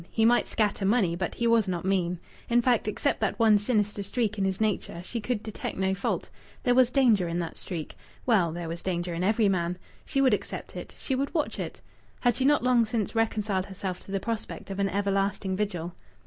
He might scatter money, but he was not mean. In fact, except that one sinister streak in his nature, she could detect no fault. There was danger in that streak.... Well, there was danger in every man. She would accept it; she would watch it. Had she not long since reconciled herself to the prospect of an everlasting vigil?